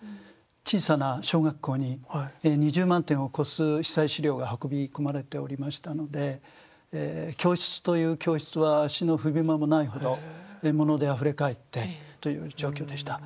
小さな小学校に２０万点を超す被災資料が運び込まれておりましたので教室という教室は足の踏み場もないほど物であふれかえってという状況でした。